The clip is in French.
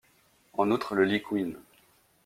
En outre, le lit couine.